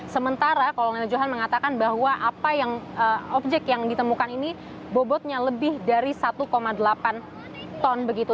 sementara kolonel johan mengatakan bahwa apa yang objek yang ditemukan ini bobotnya lebih dari satu delapan ton begitu